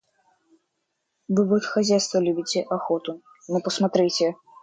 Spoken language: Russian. Вы вот хозяйство любите, охоту, — ну посмотрите!